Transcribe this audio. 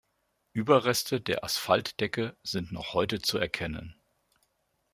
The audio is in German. Überreste der Asphaltdecke sind noch heute zu erkennen.